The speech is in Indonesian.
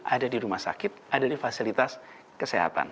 ada di rumah sakit ada di fasilitas kesehatan